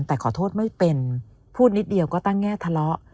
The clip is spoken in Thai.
แต่ขอโทษไม่เป็นพูดนิดเดียวก็ตั้งแง่ทะเลาะ